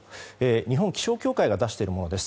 日本気象協会が出しているものです。